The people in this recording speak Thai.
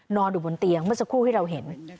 อยู่บนเตียงเมื่อสักครู่ที่เราเห็น